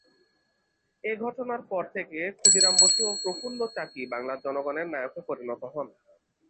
এ ঘটনার পর থেকে ক্ষুদিরাম বসু ও প্রফুল্ল চাকী বাংলার জনগণের নায়কে পরিণত হন।